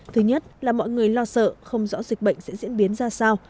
thứ nhất là mọi người lo sợ không rõ dịch bệnh sẽ diễn biến ra sao